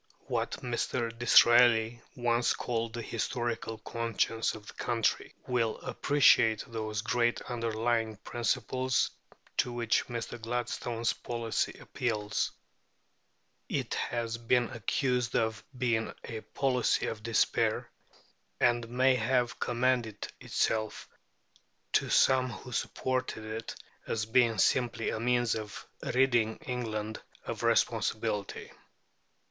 What Mr. Disraeli once called the historical conscience of the country will appreciate those great underlying principles to which Mr. Gladstone's policy appeals. It has been accused of being a policy of despair; and may have commended itself to some who supported it as being simply a means of ridding England of responsibility.